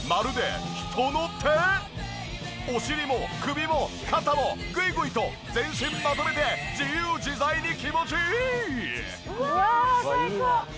お尻も首も肩もグイグイと全身まとめて自由自在に気持ちいい！